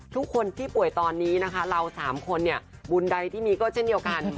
ทุกคนที่ป่วยตอนนี้นะคะเรา๓คนเนี่ยบุญใดที่มีก็เช่นเดียวกัน